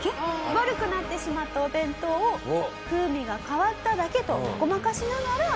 悪くなってしまったお弁当を風味が変わっただけとごまかしながら。